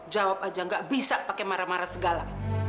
jawab aja gak bisa pakai marah marah segala